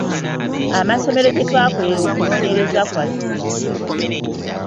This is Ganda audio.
Amasomero gye etwakolera okunoonyereza kwaffe.